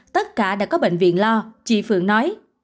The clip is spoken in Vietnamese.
tất cả đã có bệnh viện lo chị phượng nói